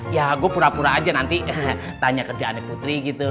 ya gue pura pura aja nanti tanya kerjaannya putri gitu